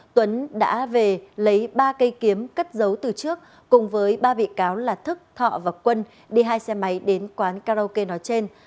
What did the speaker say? tuấn đã về lấy ba cây kiếm cất dấu từ trước cùng với ba bị cáo là thức thọ và quân đi hai xe máy đến quán karaoke nói trên